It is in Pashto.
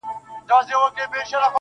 ځمه گريوان پر سمندر باندي څيرم~